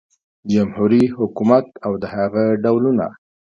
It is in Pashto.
جمهوري حکومت او د هغه ډولونه